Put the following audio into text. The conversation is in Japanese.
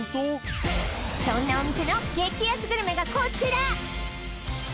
そんなお店の激安グルメがこちら！